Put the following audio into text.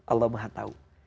allah maha tau